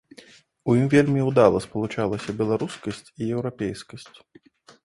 У ім вельмі ўдала спалучаліся беларускасць і еўрапейскасць.